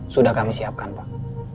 sudah kami siapkan pak